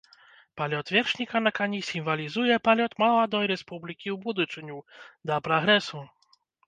Палёт вершніка на кані сімвалізуе палёт маладой рэспублікі ў будучыню, да прагрэсу.